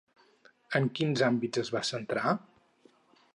En quins àmbits es va centrar?